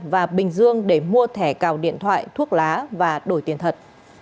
và bình dương để mua thẻ cào điện thoại thuốc lá và đổi tiền thật